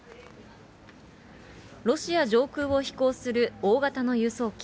ロシア上空を飛行する大型の輸送機。